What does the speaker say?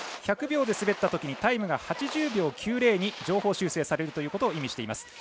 １００秒で滑ったときにタイムが８０秒９０に上方修正されることを意味しています。